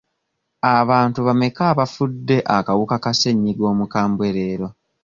Abantu bameka abafudde akawuka ka ssenyiga omukambwe leero?